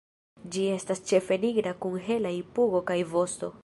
Ĝi estas ĉefe nigra kun helaj pugo kaj vosto.